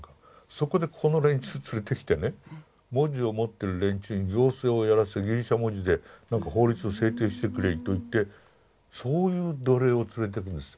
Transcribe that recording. そこでこの連中連れてきてね文字を持ってる連中に行政をやらせてギリシャ文字でなんか法律を制定してくれといってそういう奴隷を連れていくんです。